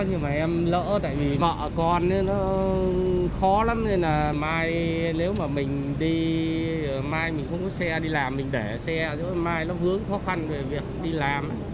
có nhưng mà em lỡ tại vì mợ con nó khó lắm nên là mai nếu mà mình đi mai mình không có xe đi làm mình để xe rồi mai nó vướng khó khăn về việc đi làm